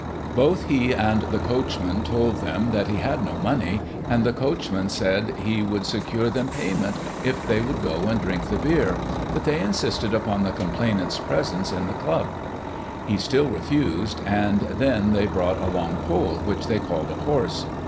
Both he and the coachman told them that he had no money, and the coachman said he would secure them payment, if they would go and drink the beer, but they insisted upon the complainant's presence in the " club." He still refused, and then they brought a long pole, which they called a " horse."